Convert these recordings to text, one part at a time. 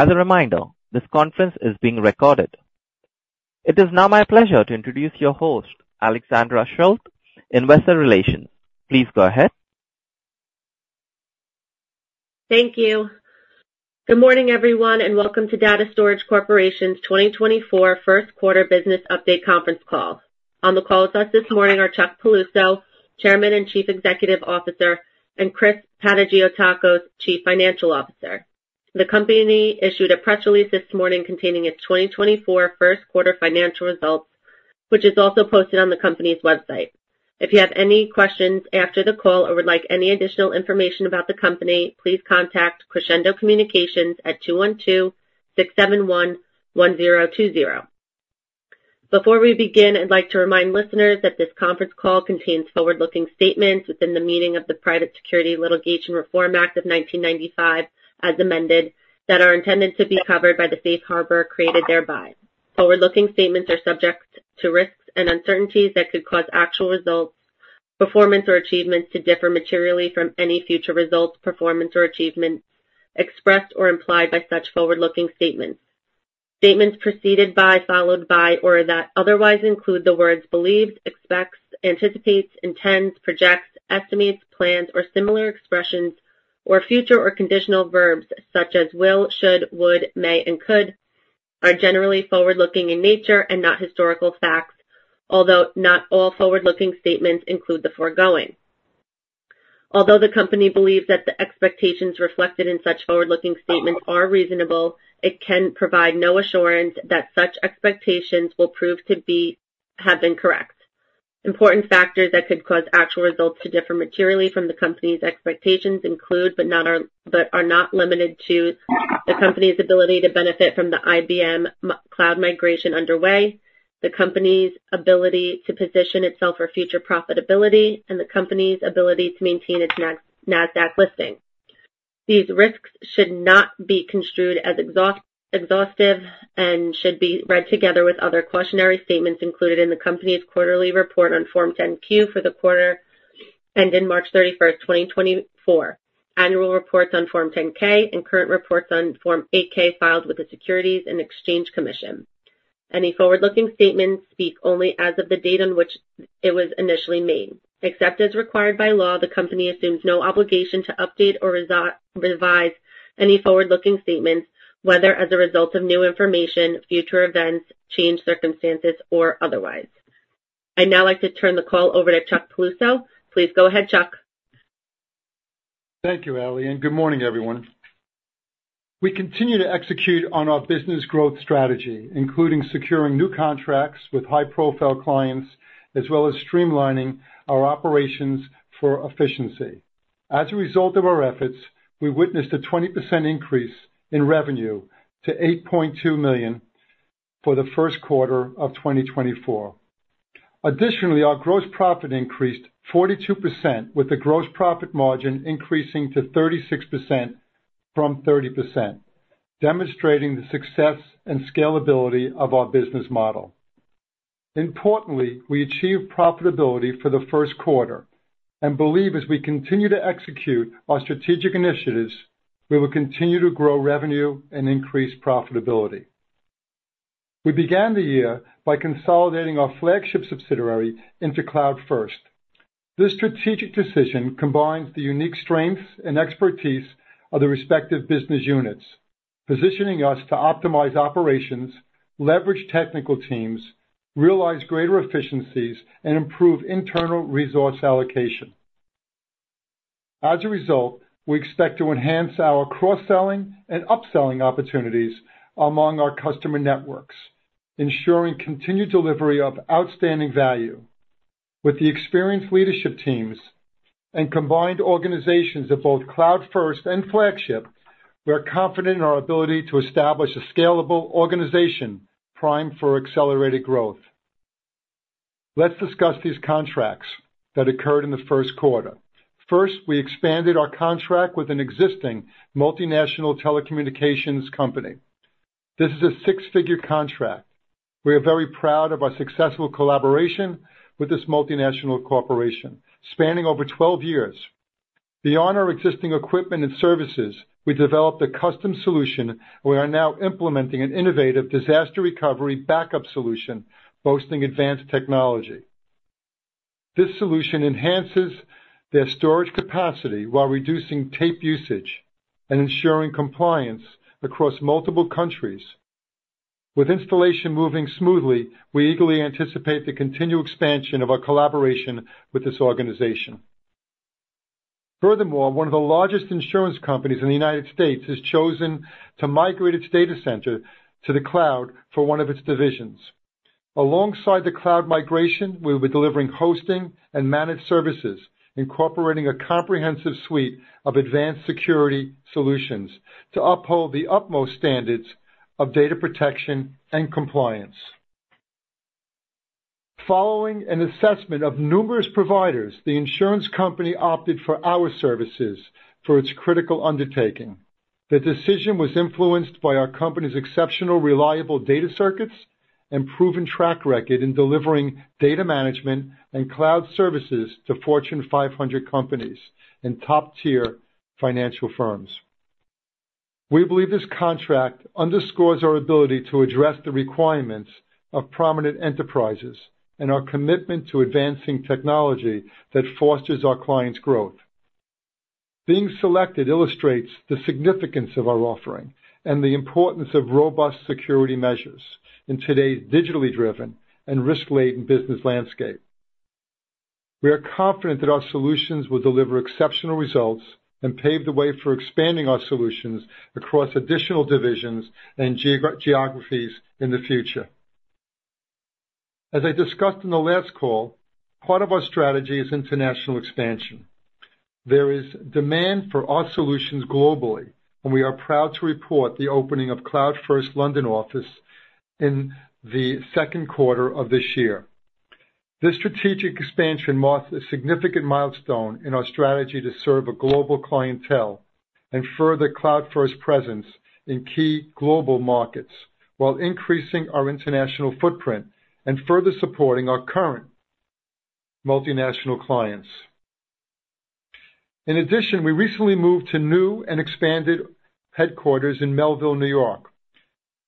As a reminder, this conference is being recorded. It is now my pleasure to introduce your host, Alexandra Schilt, Investor Relations. Please go ahead. Thank you. Good morning, everyone, and welcome to Data Storage Corporation's 2024 First Quarter Business Update Conference Call. On the call with us this morning are Chuck Piluso, Chairman and Chief Executive Officer, and Chris Panagiotakos, Chief Financial Officer. The company issued a press release this morning containing its 2024 first-quarter financial results, which is also posted on the company's website. If you have any questions after the call or would like any additional information about the company, please contact Crescendo Communications at 212-671-1020. Before we begin, I'd like to remind listeners that this conference call contains forward-looking statements within the meaning of the Private Securities Litigation Reform Act of 1995, as amended, that are intended to be covered by the safe harbor created thereby. Forward-looking statements are subject to risks and uncertainties that could cause actual results, performance, or achievements to differ materially from any future results, performance, or achievements expressed or implied by such forward-looking statements. Statements preceded by, followed by, or that otherwise include the words believed, expects, anticipates, intends, projects, estimates, plans, or similar expressions, or future or conditional verbs such as will, should, would, may, and could, are generally forward-looking in nature and not historical facts, although not all forward-looking statements include the foregoing. Although the company believes that the expectations reflected in such forward-looking statements are reasonable, it can provide no assurance that such expectations will prove to be correct. Important factors that could cause actual results to differ materially from the company's expectations include, but are not limited to, the company's ability to benefit from the IBM cloud migration underway, the company's ability to position itself for future profitability, and the company's ability to maintain its Nasdaq listing. These risks should not be construed as exhaustive, and should be read together with other cautionary statements included in the company's quarterly report on Form 10-Q for the quarter ended March 31, 2024, annual reports on Form 10-K, and current reports on Form 8-K filed with the Securities and Exchange Commission. Any forward-looking statements speak only as of the date on which it was initially made. Except as required by law, the company assumes no obligation to update or revise any forward-looking statements, whether as a result of new information, future events, changed circumstances, or otherwise. I'd now like to turn the call over to Chuck Piluso. Please go ahead, Chuck. Thank you, Allie, and good morning, everyone. We continue to execute on our business growth strategy, including securing new contracts with high-profile clients, as well as streamlining our operations for efficiency. As a result of our efforts, we witnessed a 20% increase in revenue to $8.2 million for the first quarter of 2024. Additionally, our gross profit increased 42%, with the gross profit margin increasing to 36% from 30%, demonstrating the success and scalability of our business model. Importantly, we achieved profitability for the first quarter and believe as we continue to execute our strategic initiatives, we will continue to grow revenue and increase profitability. We began the year by consolidating our flagship subsidiary into CloudFirst. This strategic decision combines the unique strengths and expertise of the respective business units, positioning us to optimize operations, leverage technical teams, realize greater efficiencies, and improve internal resource allocation. As a result, we expect to enhance our cross-selling and upselling opportunities among our customer networks, ensuring continued delivery of outstanding value. With the experienced leadership teams and combined organizations of both CloudFirst and Flagship, we are confident in our ability to establish a scalable organization primed for accelerated growth. Let's discuss these contracts that occurred in the first quarter. First, we expanded our contract with an existing multinational telecommunications company. This is a six-figure contract. We are very proud of our successful collaboration with this multinational corporation, spanning over 12 years. Beyond our existing equipment and services, we developed a custom solution. We are now implementing an innovative disaster recovery backup solution boasting advanced technology. This solution enhances their storage capacity while reducing tape usage and ensuring compliance across multiple countries. With installation moving smoothly, we eagerly anticipate the continued expansion of our collaboration with this organization. Furthermore, one of the largest insurance companies in the United States has chosen to migrate its data center to the cloud for one of its divisions. Alongside the cloud migration, we'll be delivering hosting and managed services, incorporating a comprehensive suite of advanced security solutions to uphold the utmost standards of data protection and compliance. Following an assessment of numerous providers, the insurance company opted for our services for its critical undertaking. The decision was influenced by our company's exceptional, reliable data circuits and proven track record in delivering data management and cloud services to Fortune 500 companies and top-tier financial firms. We believe this contract underscores our ability to address the requirements of prominent enterprises and our commitment to advancing technology that fosters our clients' growth. Being selected illustrates the significance of our offering and the importance of robust security measures in today's digitally driven and risk-laden business landscape. We are confident that our solutions will deliver exceptional results and pave the way for expanding our solutions across additional divisions and geographies in the future. As I discussed in the last call, part of our strategy is international expansion. There is demand for our solutions globally, and we are proud to report the opening of CloudFirst London office in the second quarter of this year. This strategic expansion marks a significant milestone in our strategy to serve a global clientele and further CloudFirst presence in key global markets, while increasing our international footprint and further supporting our current multinational clients. In addition, we recently moved to new and expanded headquarters in Melville, New York.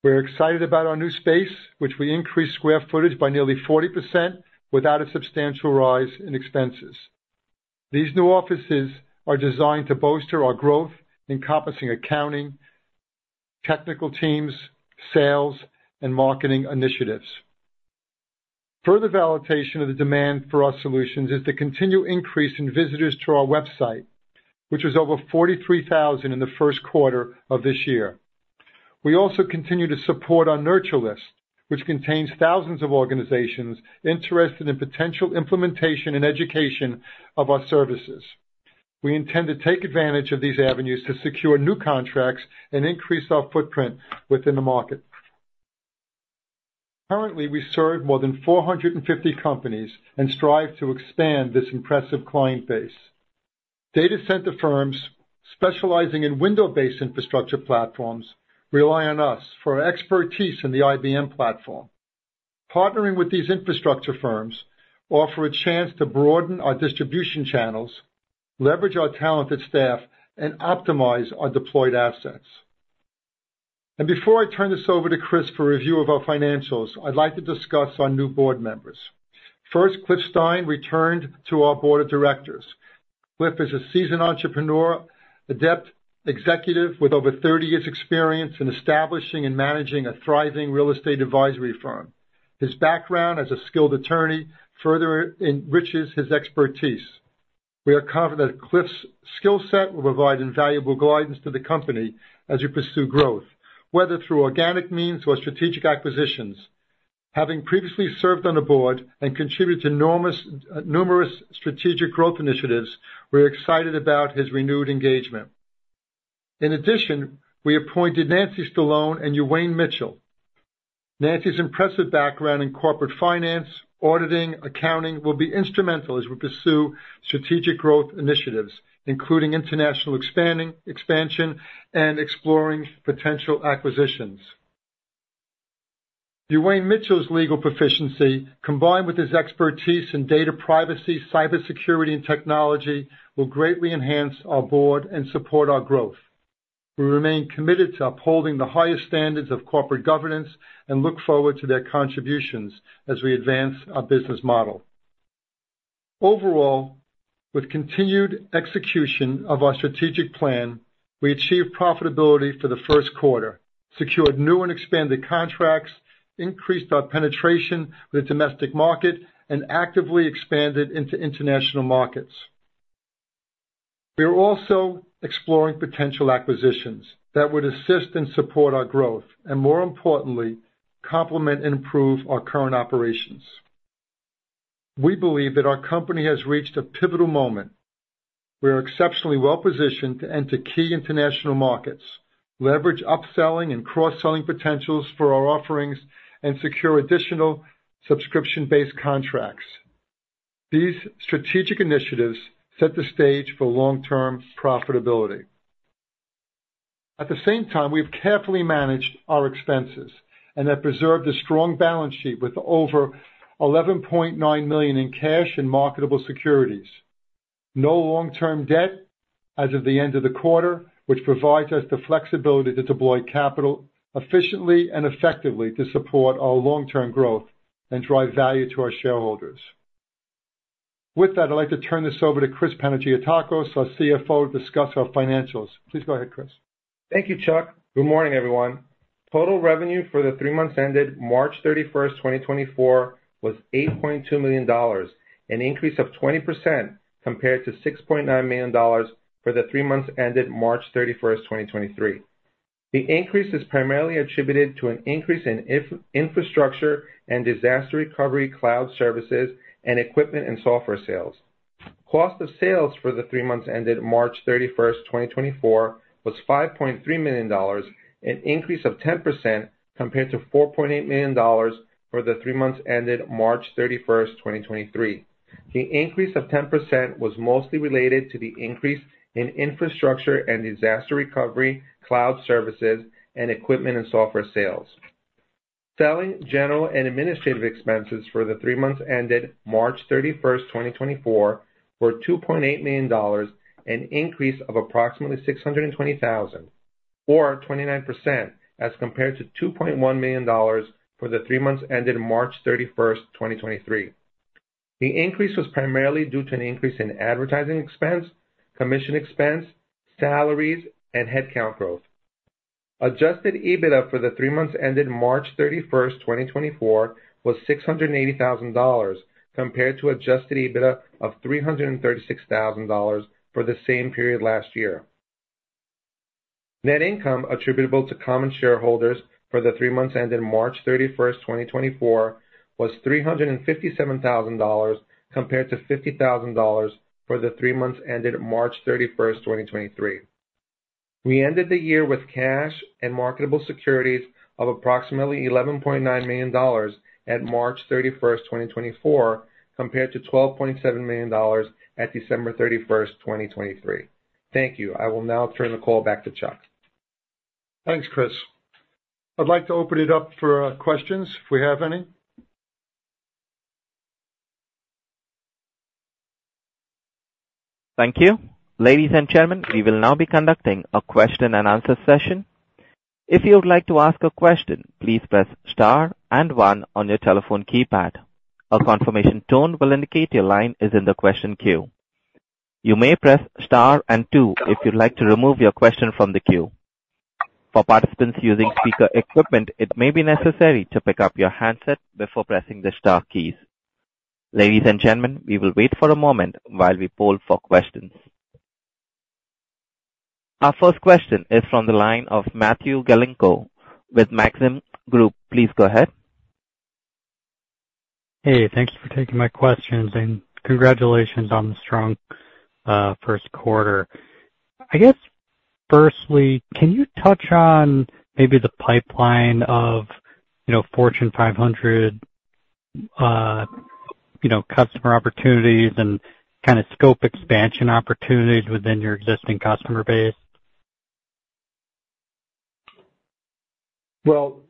We're excited about our new space, which we increased square footage by nearly 40% without a substantial rise in expenses. These new offices are designed to bolster our growth, encompassing accounting, technical teams, sales, and marketing initiatives. Further validation of the demand for our solutions is the continued increase in visitors to our website, which was over 43,000 in the first quarter of this year. We also continue to support our nurture list, which contains thousands of organizations interested in potential implementation and education of our services. We intend to take advantage of these avenues to secure new contracts and increase our footprint within the market. Currently, we serve more than 450 companies and strive to expand this impressive client base. Data center firms specializing in Windows-based infrastructure platforms rely on us for our expertise in the IBM platform. Partnering with these infrastructure firms offer a chance to broaden our distribution channels, leverage our talented staff, and optimize our deployed assets. Before I turn this over to Chris for a review of our financials, I'd like to discuss our new board members. First, Cliff Stein returned to our board of directors. Cliff is a seasoned entrepreneur, adept executive with over 30 years experience in establishing and managing a thriving real estate advisory firm. His background as a skilled attorney further enriches his expertise. We are confident that Cliff's skill set will provide invaluable guidance to the company as we pursue growth, whether through organic means or strategic acquisitions. Having previously served on the board and contributed to numerous strategic growth initiatives, we're excited about his renewed engagement. In addition, we appointed Nancy Stallone and Uwayne Mitchell. Nancy's impressive background in corporate finance, auditing, accounting, will be instrumental as we pursue strategic growth initiatives, including international expansion and exploring potential acquisitions. Uwayne Mitchell's legal proficiency, combined with his expertise in data privacy, cybersecurity, and technology, will greatly enhance our board and support our growth. We remain committed to upholding the highest standards of corporate governance and look forward to their contributions as we advance our business model. Overall, with continued execution of our strategic plan, we achieved profitability for the first quarter, secured new and expanded contracts, increased our penetration with the domestic market, and actively expanded into international markets. We are also exploring potential acquisitions that would assist and support our growth, and more importantly, complement and improve our current operations. We believe that our company has reached a pivotal moment. We are exceptionally well-positioned to enter key international markets, leverage upselling and cross-selling potentials for our offerings, and secure additional subscription-based contracts. These strategic initiatives set the stage for long-term profitability. At the same time, we've carefully managed our expenses and have preserved a strong balance sheet with over $11.9 million in cash and marketable securities. No long-term debt as of the end of the quarter, which provides us the flexibility to deploy capital efficiently and effectively to support our long-term growth and drive value to our shareholders. With that, I'd like to turn this over to Chris Panagiotakos, our CFO, to discuss our financials. Please go ahead, Chris. Thank you, Chuck. Good morning, everyone. Total revenue for the three months ended March 31, 2024, was $8.2 million, an increase of 20% compared to $6.9 million for the three months ended March 31, 2023. The increase is primarily attributed to an increase in infrastructure and disaster recovery, cloud services, and equipment and software sales. Cost of sales for the three months ended March 31, 2024, was $5.3 million, an increase of 10% compared to $4.8 million for the three months ended March 31, 2023. The increase of 10% was mostly related to the increase in infrastructure and disaster recovery, cloud services, and equipment and software sales. Selling general and administrative expenses for the three months ended March 31, 2024, were $2.8 million, an increase of approximately $620 thousand, or 29%, as compared to $2.1 million for the three months ended March 31, 2023. The increase was primarily due to an increase in advertising expense, commission expense, salaries, and headcount growth. Adjusted EBITDA for the three months ended March 31, 2024, was $680 thousand, compared to adjusted EBITDA of $336 thousand for the same period last year. Net income attributable to common shareholders for the three months ended March 31, 2024, was $357 thousand, compared to $50 thousand for the three months ended March 31, 2023. We ended the year with cash and marketable securities of approximately $11.9 million at March 31, 2024, compared to $12.7 million at December 31, 2023. Thank you. I will now turn the call back to Chuck. Thanks, Chris. I'd like to open it up for questions, if we have any. Thank you. Ladies and gentlemen, we will now be conducting a question and answer session. If you would like to ask a question, please press star and one on your telephone keypad. A confirmation tone will indicate your line is in the question queue. You may press star and two if you'd like to remove your question from the queue. For participants using speaker equipment, it may be necessary to pick up your handset before pressing the star keys. Ladies and gentlemen, we will wait for a moment while we poll for questions. Our first question is from the line of Matthew Galinko with Maxim Group. Please go ahead. Hey, thank you for taking my questions, and congratulations on the strong first quarter. I guess, firstly, can you touch on maybe the pipeline of Fortune 500, customer opportunities and kind of scope expansion opportunities within your existing customer base? Well,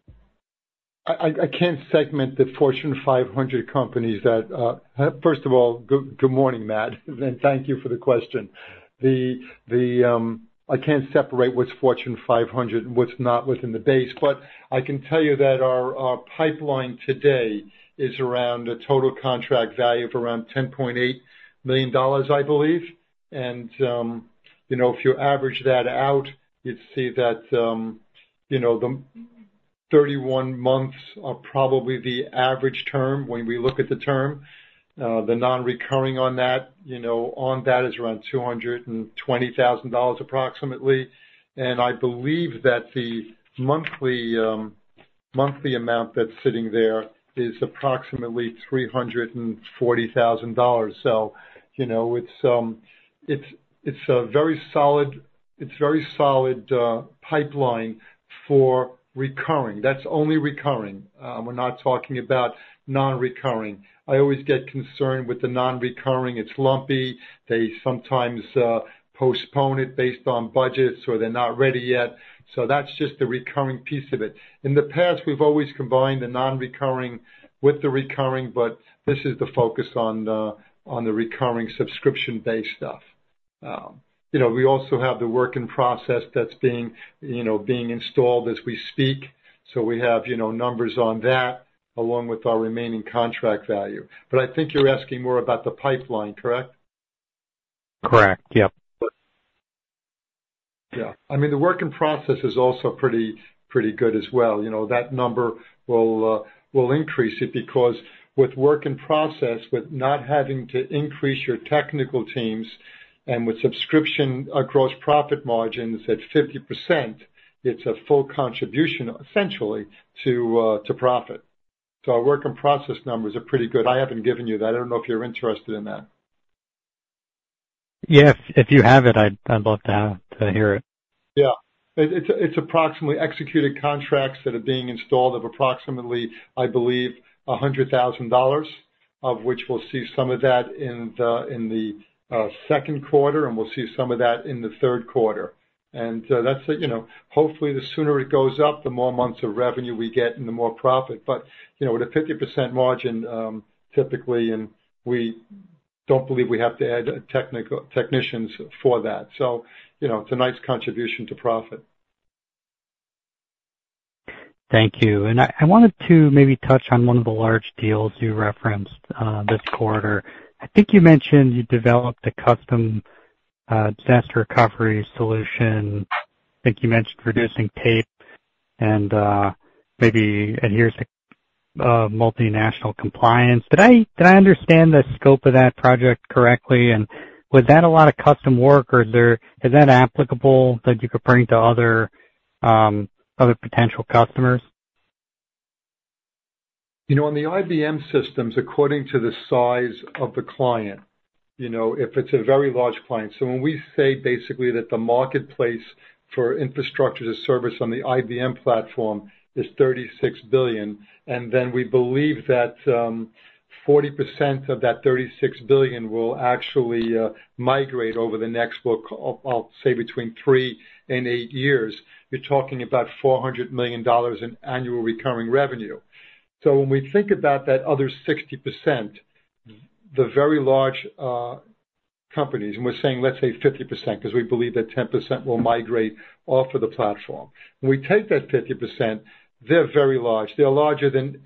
I can't segment the Fortune 500 companies that. First of all, good morning, Matt, and thank you for the question. I can't separate what's Fortune 500 and what's not within the base, but I can tell you that our pipeline today is around a total contract value of around $10.8 million, I believe. And if you average that out, you'd see that the 31 months are probably the average term when we look at the term. The non-recurring on that on that is around $220,000, approximately. And I believe that the monthly amount that's sitting there is approximately $340,000. It's a very solid, it's very solid pipeline for recurring. That's only recurring. We're not talking about non-recurring. I always get concerned with the non-recurring. It's lumpy. They sometimes postpone it based on budgets, or they're not ready yet. So that's just the recurring piece of it. In the past, we've always combined the non-recurring with the recurring, but this is the focus on the recurring subscription-based stuff. We also have the work in process that's being being installed as we speak, so we have numbers on that along with our remaining contract value. But I think you're asking more about the pipeline, correct? Correct. Yeah. I mean, the work in process is also pretty, pretty good as well. That number will will increase it, because with work in process, with not having to increase your technical teams, and with subscription across profit margins at 50%, it's a full contribution essentially to to profit. So our work in process numbers are pretty good. I haven't given you that. I don't know if you're interested in that. Yeah, if you have it, I'd love to hear it. Yeah. It's approximately executed contracts that are being installed of approximately, I believe, $100,000, of which we'll see some of that in the second quarter, and we'll see some of that in the third quarter. That's it hopefully, the sooner it goes up, the more months of revenue we get and the more profit. But with a 50% margin, typically, and we don't believe we have to add technical technicians for that it's a nice contribution to profit. Thank you. And I wanted to maybe touch on one of the large deals you referenced this quarter. I think you mentioned you developed a custom Disaster Recovery solution. I think you mentioned reducing tape and maybe adheres to multinational compliance. Did I understand the scope of that project correctly? And was that a lot of custom work, or is there is that applicable that you could bring to other other potential customers? On the IBM systems, according to the size of the client if it's a very large client. So when we say basically that the marketplace for infrastructure as a service on the IBM platform is $36 billion, and then we believe that 40% of that $36 billion will actually migrate over the next, say between 3 and 8 years, you're talking about $400 million in annual recurring revenue. So when we think about that other 60%—the very large companies, and we're saying, let's say 50%, because we believe that 10% will migrate off of the platform. When we take that 50%, they're very large. They're larger than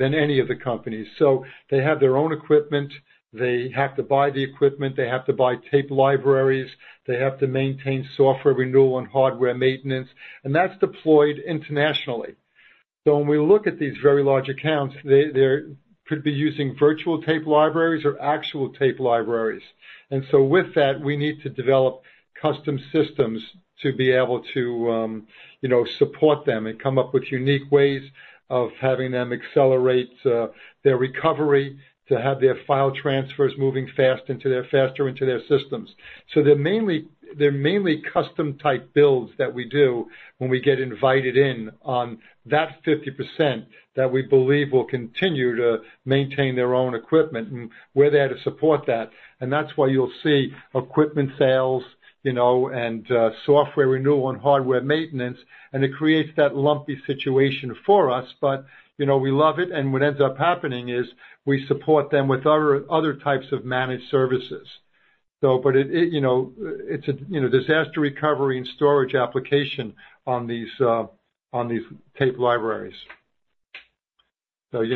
any of the companies. So they have their own equipment. They have to buy the equipment, they have to buy tape libraries. They have to maintain software renewal and hardware maintenance, and that's deployed internationally. So when we look at these very large accounts, they could be using virtual tape libraries or actual tape libraries. And so with that, we need to develop custom systems to be able to support them and come up with unique ways of having them accelerate their recovery, to have their file transfers moving fast into their, faster into their systems. So they're mainly custom-type builds that we do when we get invited in on that 50% that we believe will continue to maintain their own equipment, and we're there to support that. And that's why you'll see equipment sales and software renewal and hardware maintenance, and it creates that lumpy situation for us. But we love it, and what ends up happening is we support them with other types of managed services. But it's a disaster recovery and storage application on these on these tape libraries. That's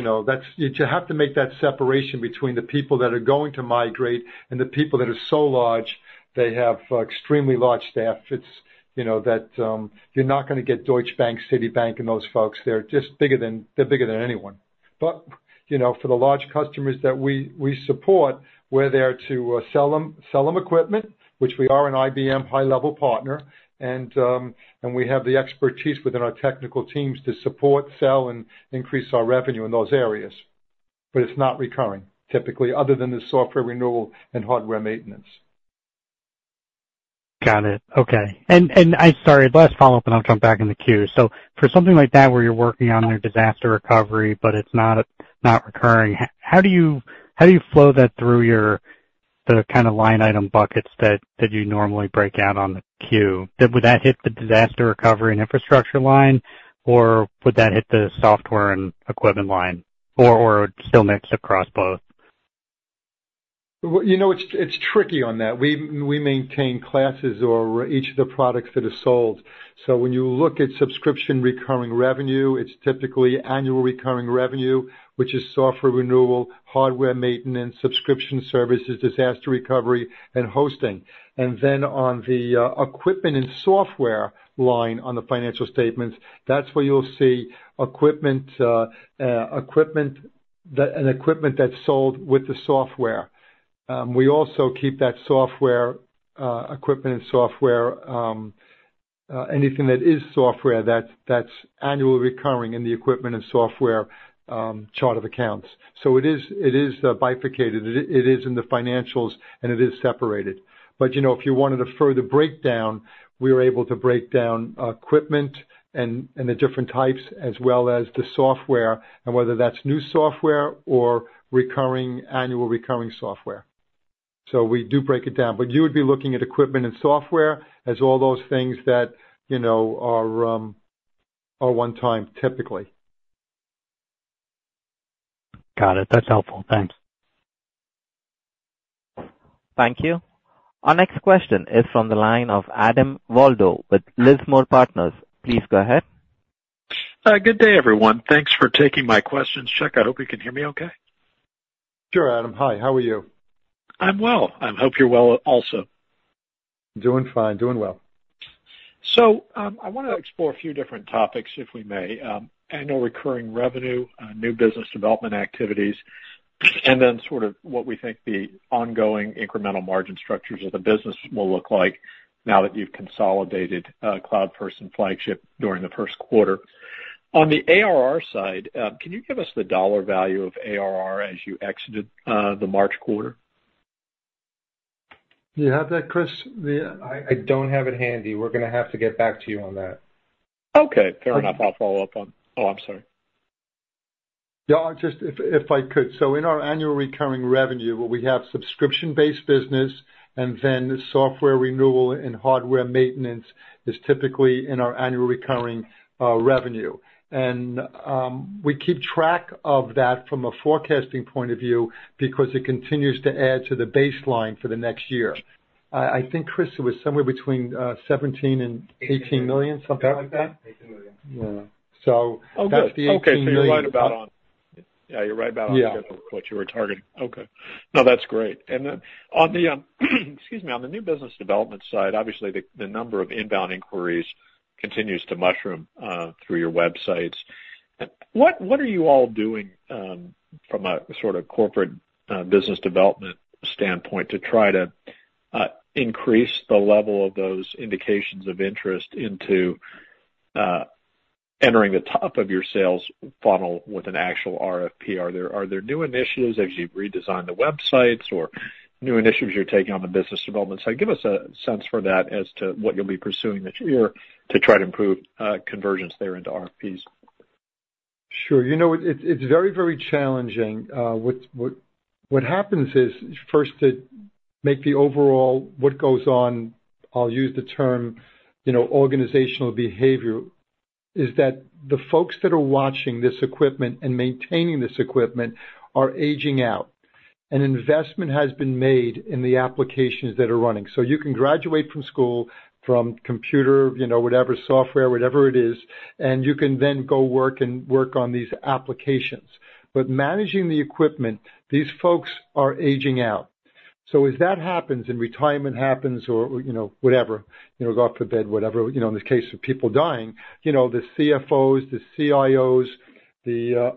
you have to make that separation between the people that are going to migrate and the people that are so large, they have extremely large staff. It's that you're not gonna get Deutsche Bank, Citibank, and those folks. They're just bigger than they're bigger than anyone. For the large customers that we support, we're there to sell them, sell them equipment, which we are an IBM high-level partner, and we have the expertise within our technical teams to support, sell, and increase our revenue in those areas. It's not recurring, typically, other than the software renewal and hardware maintenance. Got it. Okay. Sorry, last follow-up, and I'll jump back in the queue. For something like that, where you're working on a disaster recovery, but it's not recurring, how do you flow that through your, the kind of line item buckets that you normally break out on the queue? Would that hit the disaster recovery and infrastructure line, or would that hit the software and equipment line, or it still mix across both? Well, it's tricky on that. We maintain classes or each of the products that are sold. So when you look at subscription recurring revenue, it's typically annual recurring revenue, which is software renewal, hardware maintenance, subscription services, disaster recovery, and hosting. And then on the equipment and software line, on the financial statements, that's where you'll see equipment that's sold with the software. We also keep that software, equipment and software, anything that is software that's annual recurring in the equipment and software chart of accounts. So it is bifurcated. It is in the financials, and it is separated. If you wanted a further breakdown, we were able to break down equipment and the different types, as well as the software, and whether that's new software or recurring, annual recurring software. So we do break it down, but you would be looking at equipment and software as all those things that are one-time, typically. Got it. That's helpful. Thanks. Thank you. Our next question is from the line of Adam Waldo with Lismore Partners. Please go ahead. Good day, everyone. Thanks for taking my questions. Chuck, I hope you can hear me okay? Sure, Adam. Hi, how are you? I'm well. I hope you're well also. Doing fine. Doing well. So, I wanna explore a few different topics, if we may. Annual recurring revenue, new business development activities, and then sort of what we think the ongoing incremental margin structures of the business will look like now that you've consolidated CloudFirst Flagship during the first quarter. On the ARR side, can you give us the dollar value of ARR as you exited the March quarter? Do you have that, Chris? I don't have it handy. We're gonna have to get back to you on that. Okay, fair enough. I'll follow up on. Oh, I'm sorry. Yeah, just if I could. In our annual recurring revenue, where we have subscription-based business, and then software renewal and hardware maintenance is typically in our annual recurring revenue. We keep track of that from a forecasting point of view because it continues to add to the baseline for the next year. I think, Chris, it was somewhere between $17 million and $18 million, something like that? $18 million. Oh, good. That's the $18 million. Okay, so you're right about on. Yeah, you're right about on. what you were targeting. Okay. No, that's great. And then on the, excuse me, on the new business development side, obviously, the number of inbound inquiries continues to mushroom through your websites. What are you all doing from a sort of corporate business development standpoint to try to increase the level of those indications of interest into entering the top of your sales funnel with an actual RFP? Are there new initiatives as you've redesigned the websites or new initiatives you're taking on the business development side? Give us a sense for that as to what you'll be pursuing this year to try to improve conversions there into RFPs. Sure. It's very, very challenging. What happens is, first, to make the overall what goes on, I'll use the term organizational behavior. Is that the folks that are watching this equipment and maintaining this equipment are aging out, and investment has been made in the applications that are running. So you can graduate from school, from computer whatever, software, whatever it is, and you can then go work and work on these applications. But managing the equipment, these folks are aging out. So as that happens and retirement happens or go off to bed in the case of people dying the CFOs, the CIOs,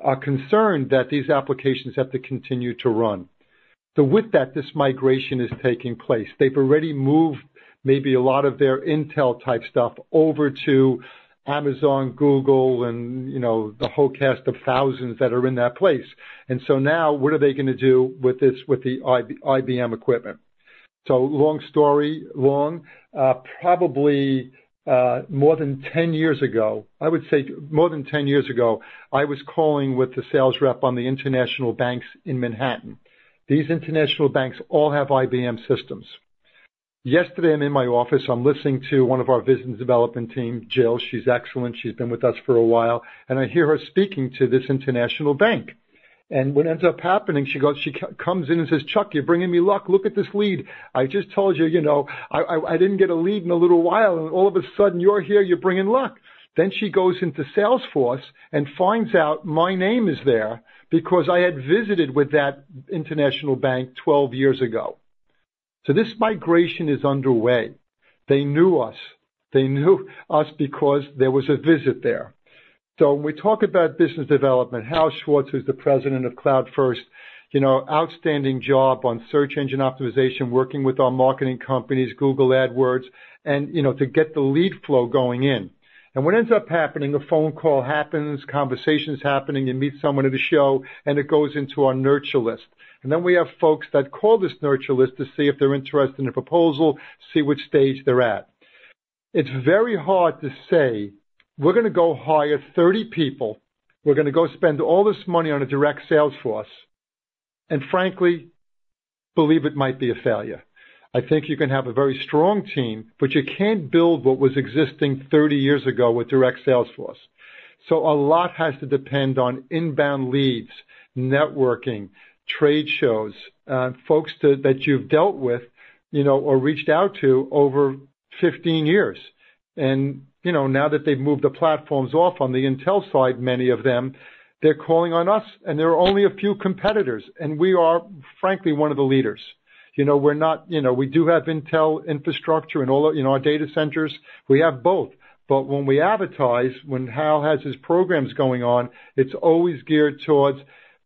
are concerned that these applications have to continue to run. So with that, this migration is taking place. They've already moved maybe a lot of their Intel-type stuff over to Amazon, Google, and the whole cast of thousands that are in that place. And so now what are they gonna do with this—with the IBM equipment? So long story long, probably, more than 10 years ago, I would say more than 10 years ago, I was calling with the sales rep on the international banks in Manhattan. These international banks all have IBM systems. Yesterday, I'm in my office, I'm listening to one of our business development team, Jill, she's excellent. She's been with us for a while, and I hear her speaking to this international bank. And what ends up happening, she comes in and says, "Chuck, you're bringing me luck. Look at this lead. I just told you, I didn't get a lead in a little while, and all of a sudden, you're here, you're bringing luck." Then she goes into Salesforce and finds out my name is there because I had visited with that international bank 12 years ago. So this migration is underway. They knew us. They knew us because there was a visit there. So when we talk about business development, Hal Schwartz, who's the president of CloudFirst outstanding job on search engine optimization, working with our marketing companies, Google AdWords, and to get the lead flow going in. And what ends up happening, a phone call happens, conversation's happening, you meet someone at a show, and it goes into our nurture list. Then we have folks that call this nurture list to see if they're interested in a proposal, see which stage they're at. It's very hard to say, we're gonna go hire 30 people, we're gonna go spend all this money on a direct sales force, and frankly, believe it might be a failure. I think you can have a very strong team, but you can't build what was existing 30 years ago with direct sales force. So a lot has to depend on inbound leads, networking, trade shows, folks that you've dealt with or reached out to over 15 years. And now that they've moved the platforms off on the Intel side, many of them, they're calling on us, and there are only a few competitors, and we are, frankly, one of the leaders. We do have Intel infrastructure in our data centers. We have both. But when we advertise, when Hal has his programs going on, it's always geared towards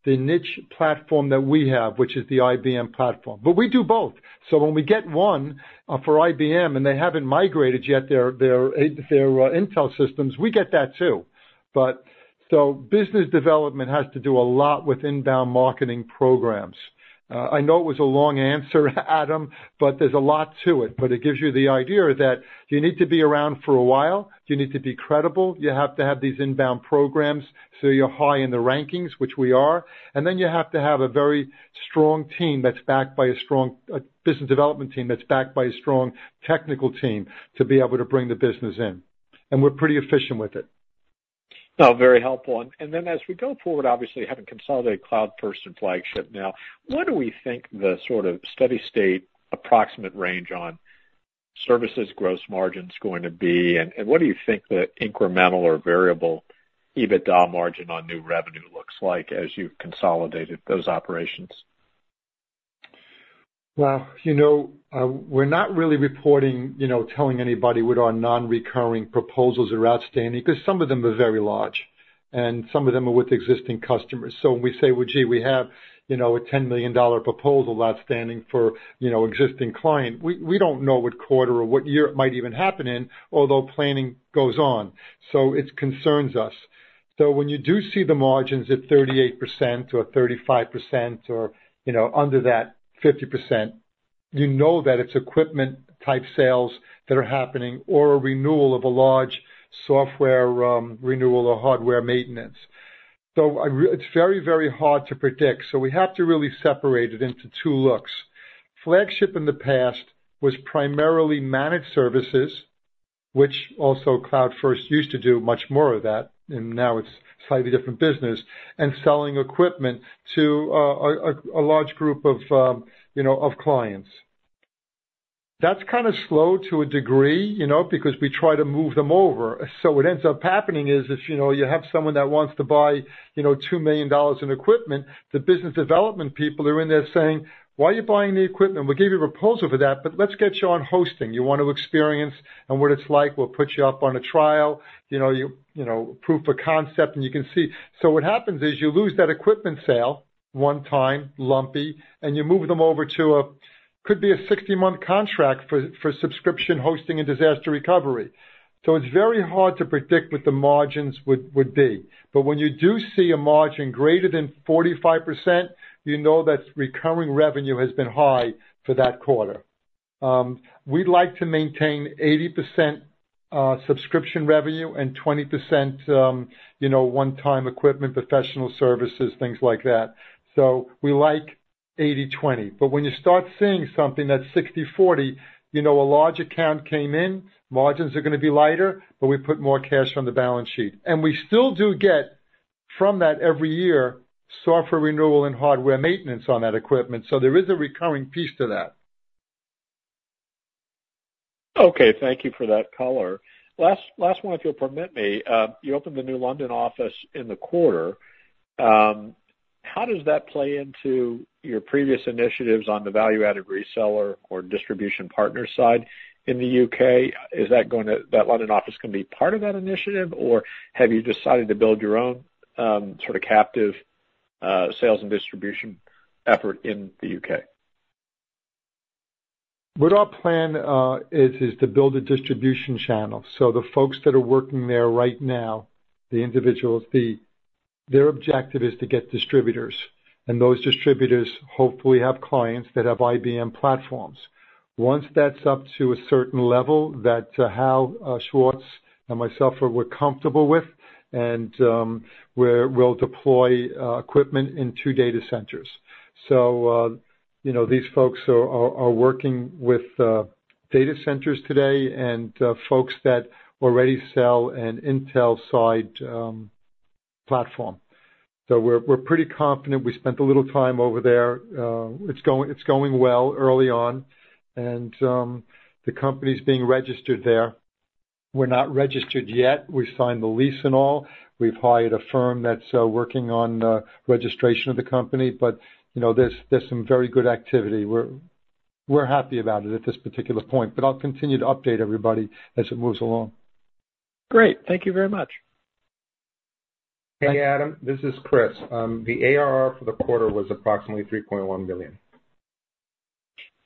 the niche platform that we have, which is the IBM platform. But we do both. So when we get one for IBM, and they haven't migrated yet their Intel systems, we get that, too. But so business development has to do a lot with inbound marketing programs. I know it was a long answer, Adam, but there's a lot to it. But it gives you the idea that you need to be around for a while, you need to be credible, you have to have these inbound programs, so you're high in the rankings, which we are. And then you have to have a very strong team that's backed by a strong business development team, that's backed by a strong technical team to be able to bring the business in. And we're pretty efficient with it. No, very helpful. And then as we go forward, obviously, having consolidated CloudFirst and Flagship now, what do we think the sort of steady-state approximate range on services gross margin is going to be? And, and what do you think the incremental or variable EBITDA margin on new revenue looks like as you've consolidated those operations? Well, we're not really reporting telling anybody what our non-recurring proposals are outstanding, 'cause some of them are very large, and some of them are with existing customers. So when we say, well, gee, we have a $10 million proposal outstanding for existing client, we, we don't know what quarter or what year it might even happen in, although planning goes on, so it concerns us. So when you do see the margins at 38% or 35% or under that 50% that it's equipment-type sales that are happening or a renewal of a large software renewal or hardware maintenance. So it's very, very hard to predict, so we have to really separate it into two looks. Flagship in the past was primarily managed services, which also Cloud First used to do much more of that, and now it's slightly different business, and selling equipment to a large group of clients. That's kind of slow to a degree because we try to move them over. So what ends up happening is, if you have someone that wants to buy $2 million in equipment, the business development people are in there saying: "Why are you buying the equipment? We'll give you a proposal for that, but let's get you on hosting. You want to experience and what it's like, we'll put you up on a trial proof of concept, and you can see." So what happens is, you lose that equipment sale, one time, lumpy, and you move them over to a 60-month contract for subscription hosting and disaster recovery. So it's very hard to predict what the margins would be. But when you do see a margin greater than 45% that recurring revenue has been high for that quarter. We'd like to maintain 80% subscription revenue and 20% one-time equipment, professional services, things like that. So we like 80/20. But when you start seeing something that's 60/40 a large account came in, margins are gonna be lighter, but we put more cash on the balance sheet. We still do get from that every year, software renewal and hardware maintenance on that equipment, so there is a recurring piece to that. Okay, thank you for that color. Last, last one, if you'll permit me. You opened the new London office in the quarter. How does that play into your previous initiatives on the value-added reseller or distribution partner side in the UK? Is that going to- that London office gonna be part of that initiative, or have you decided to build your own, sort of, captive, sales and distribution effort in the UK? Our plan is to build a distribution channel. So the folks that are working there right now, the individuals, their objective is to get distributors, and those distributors hopefully have clients that have IBM platforms. Once that's up to a certain level, that's how Schwartz and myself are comfortable with, and we'll deploy equipment in two data centers. These folks are working with data centers today and folks that already sell an Intel side platform. So we're pretty confident. We spent a little time over there. It's going well early on, and the company's being registered there. We're not registered yet. We've signed the lease and all. We've hired a firm that's working on registration of the company, but there's some very good activity. We're happy about it at this particular point, but I'll continue to update everybody as it moves along. Great. Thank you very much. Hey, Adam, this is Chris. The ARR for the quarter was approximately $3.1 million.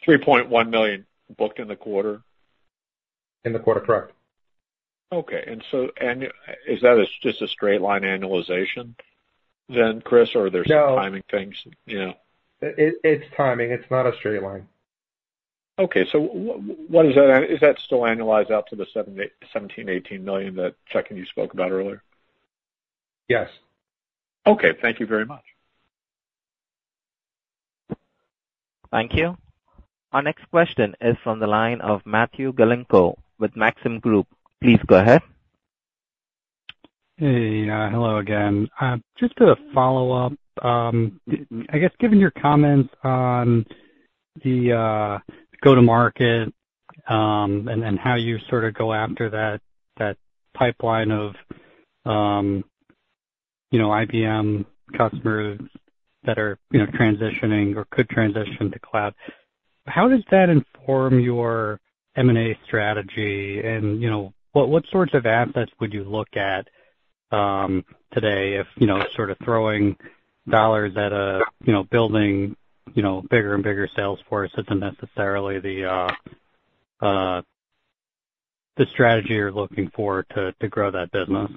$3.1 million booked in the quarter? In the quarter, correct. Okay. Is that just a straight line annualization then, Chris, or are there some timing things? No. It's timing. It's not a straight line. Okay. So what is that? Is that still annualized out to the $17 million-$18 million that Chuck and you spoke about earlier? Yes. Okay. Thank you very much. Thank you. Our next question is from the line of Matthew Galinko with Maxim Group. Please go ahead. Hey, hello again. Just to follow up, I guess, given your comments on the go-to-market, and how you sort of go after that pipeline of IBM customers that are transitioning or could transition to cloud, how does that inform your M&A strategy? And what sorts of assets would you look at today if sort of throwing dollars at a building bigger and bigger sales force isn't necessarily the strategy you're looking for to grow that business?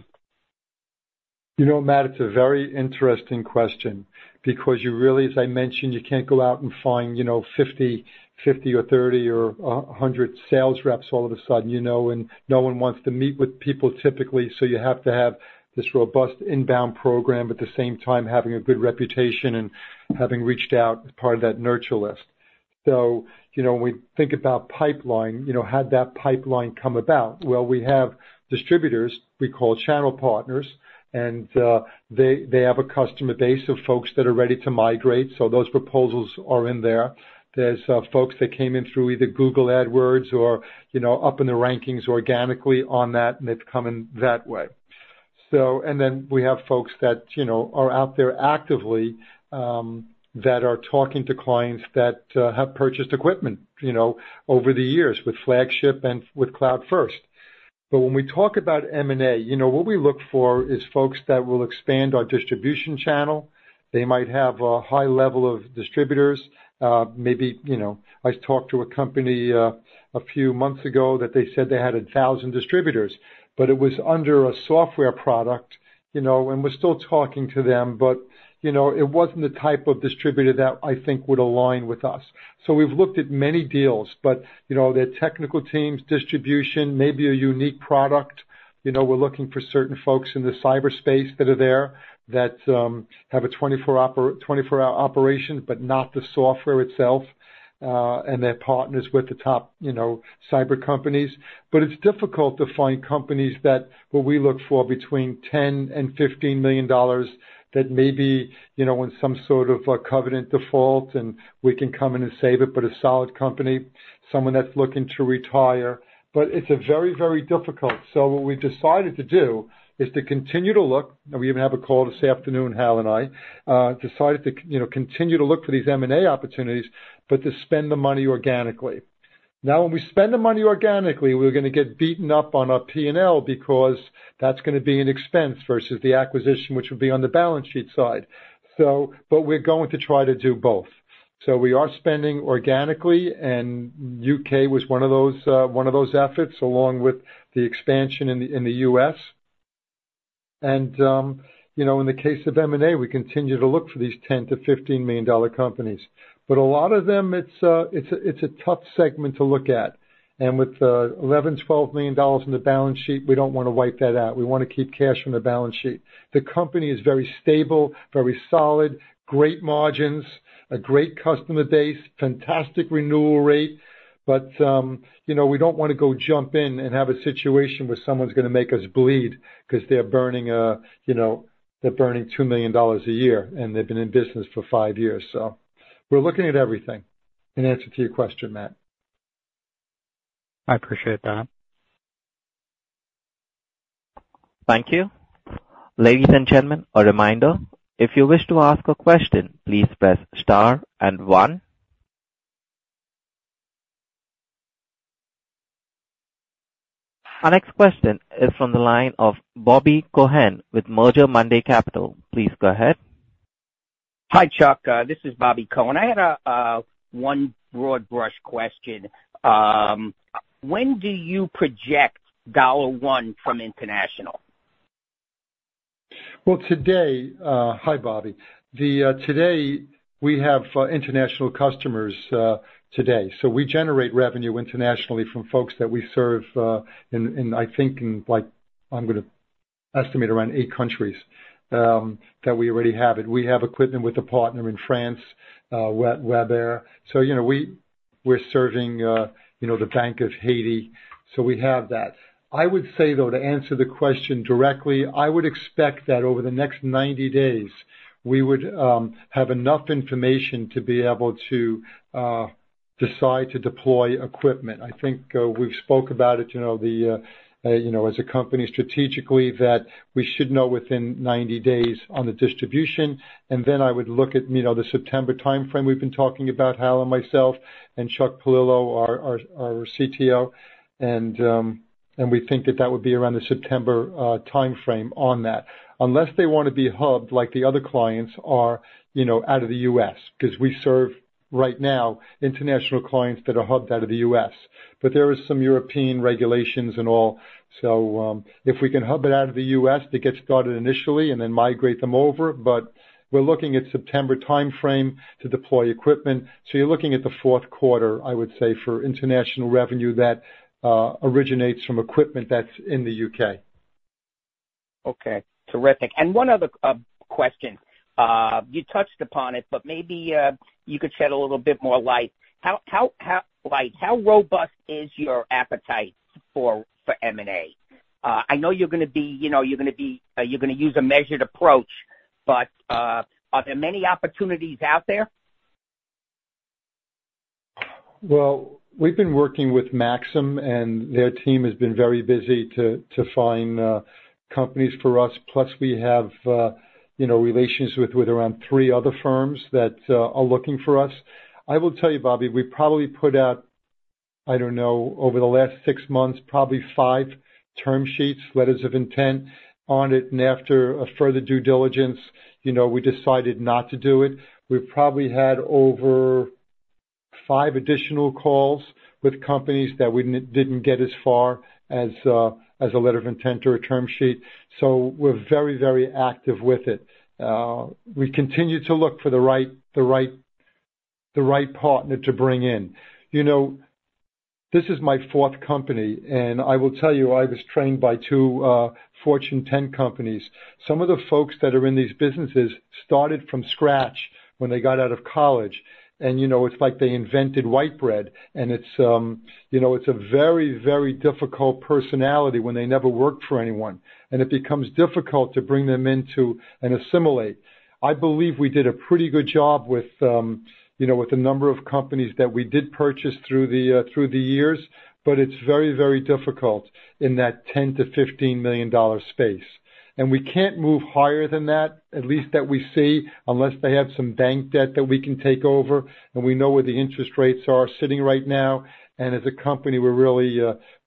Matt, it's a very interesting question because you really, as I mentioned, you can't go out and find 50, 50 or 30 or a hundred sales reps all of a sudden and no one wants to meet with people typically, so you have to have this robust inbound program, at the same time, having a good reputation and having reached out as part of that nurture list. When we think about pipeline how'd that pipeline come about? Well, we have distributors we call channel partners, and they, they have a customer base of folks that are ready to migrate, so those proposals are in there. There's folks that came in through either Google AdWords or up in the rankings organically on that, and it's coming that way. So and then we have folks that are out there actively, that are talking to clients that have purchased equipment over the years with Flagship and with Cloud First. But when we talk about M&A what we look for is folks that will expand our distribution channel. They might have a high level of distributors, I talked to a company, a few months ago that they said they had 1,000 distributors, but it was under a software product and we're still talking to them, but it wasn't the type of distributor that I think would align with us. So we've looked at many deals, but their technical teams, distribution, maybe a unique product. We're looking for certain folks in the cyberspace that are there, that have a 24-hour operation, but not the software itself, and they're partners with the top cyber companies. But it's difficult to find companies that what we look for between $10 million and $15 million, that may be in some sort of a covenant default, and we can come in and save it, but a solid company, someone that's looking to retire. But it's a very, very difficult. So what we've decided to do is to continue to look, and we even have a call this afternoon, Hal and I decided to continue to look for these M&A opportunities, but to spend the money organically. Now, when we spend the money organically, we're gonna get beaten up on our P&L because that's gonna be an expense versus the acquisition, which will be on the balance sheet side, so, but we're going to try to do both. So we are spending organically, and U.K. was one of those efforts, along with the expansion in the U.S. And, in the case of M&A, we continue to look for these $10-$15 million companies. But a lot of them, it's a tough segment to look at. And with $11-$12 million in the balance sheet, we don't want to wipe that out. We wanna keep cash on the balance sheet. The company is very stable, very solid, great margins, a great customer base, fantastic renewal rate, but we don't want to go jump in and have a situation where someone's gonna make us bleed because they're burning they're burning $2 million a year, and they've been in business for five years. So we're looking at everything, in answer to your question, Matt. I appreciate that. Thank you. Ladies and gentlemen, a reminder, if you wish to ask a question, please press star and one. Our next question is from the line of Bobby Cohen with Merger Monday Capital. Please go ahead. Hi, Chuck. This is Bobby Cohen. I had a one broad brush question. When do you project dollar one from international? Hi, Bobby. Today, we have international customers today. So we generate revenue internationally from folks that we serve in, I'm gonna estimate around eight countries that we already have it. We have equipment with a partner in France, Webair. We're serving the Bank of Haiti, so we have that. I would say, though, to answer the question directly, I would expect that over the next 90 days, we would have enough information to be able to decide to deploy equipment. I think, we've spoke about it as a company strategically, that we should know within 90 days on the distribution, and then I would look at the September timeframe we've been talking about, Hal and myself and Chuck Paolillo, our CTO, and, we think that that would be around the September, timeframe on that. Unless they want to be hubbed like the other clients are out of the U.S., because we serve, right now, international clients that are hubbed out of the U.S. But there are some European regulations and all. So, if we can hub it out of the U.S., to get started initially and then migrate them over, but we're looking at September timeframe to deploy equipment. So you're looking at the fourth quarter, I would say, for international revenue that originates from equipment that's in the U.K. Okay, terrific. And one other question. You touched upon it, but maybe you could shed a little bit more light. How, like, how robust is your appetite for M&A? I know you're gonna be you're gonna use a measured approach, but are there many opportunities out there? Well, we've been working with Maxim, and their team has been very busy to find companies for us, plus we have relations with around three other firms that are looking for us. I will tell you, Bobby, we probably put out, I don't know, over the last six months, probably five term sheets, letters of intent on it, and after a further due diligence we decided not to do it. We've probably had over five additional calls with companies that we didn't get as far as a letter of intent or a term sheet, so we're very, very active with it. We continue to look for the right partner to bring in. This is my fourth company, and I will tell you, I was trained by two Fortune 10 companies. Some of the folks that are in these businesses started from scratch when they got out of college. And it's like they invented white bread, and it's a very, very difficult personality when they never worked for anyone, and it becomes difficult to bring them into and assimilate. I believe we did a pretty good job with with the number of companies that we did purchase through the, through the years, but it's very, very difficult in that $10-$15 million space. And we can't move higher than that, at least that we see, unless they have some bank debt that we can take over, and we know where the interest rates are sitting right now. And as a company, we're really,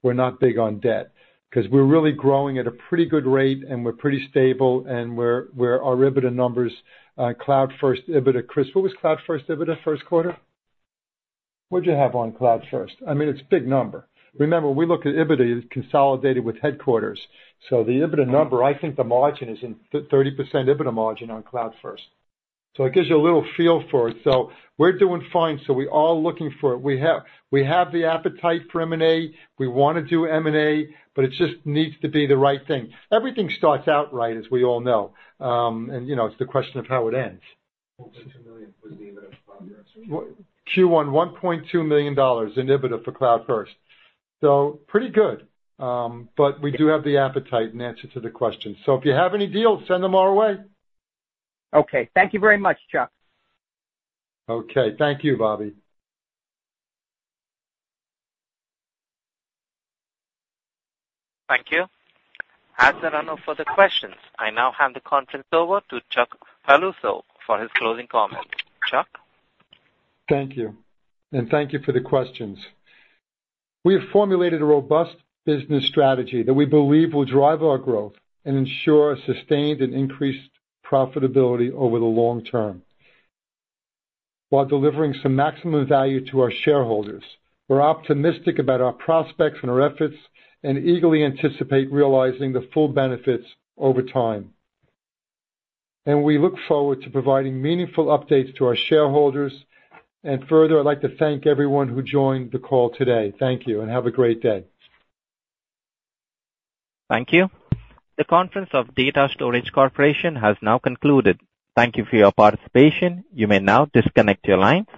we're not big on debt, 'cause we're really growing at a pretty good rate, and we're pretty stable, and we're our EBITDA numbers, CloudFirst EBITDA. Chris, what was CloudFirst EBITDA first quarter? What'd you have on CloudFirst? I mean, it's big number. Remember, we look at EBITDA consolidated with headquarters. So the EBITDA number, I think the margin is in thirty percent EBITDA margin on CloudFirst. So it gives you a little feel for it. So we're doing fine. So we are all looking for it. We have, we have the appetite for M&A, we want to do M&A, but it just needs to be the right thing. Everything starts out right, as we all know. And it's the question of how it ends. $1.2 million was the EBITDA for CloudFirst. Q1, $1.2 million in EBITDA for CloudFirst. So pretty good. But we do have the appetite, in answer to the question. So if you have any deals, send them our way. Okay. Thank you very much, Chuck. Okay. Thank you, Bobby. Thank you. As there are no further questions, I now hand the conference over to Chuck Piluso for his closing comment. Chuck? Thank you, and thank you for the questions. We have formulated a robust business strategy that we believe will drive our growth and ensure sustained and increased profitability over the long term, while delivering some maximum value to our shareholders. We're optimistic about our prospects and our efforts and eagerly anticipate realizing the full benefits over time. We look forward to providing meaningful updates to our shareholders. And further, I'd like to thank everyone who joined the call today. Thank you and have a great day. Thank you. The conference of Data Storage Corporation has now concluded. Thank you for your participation. You may now disconnect your line.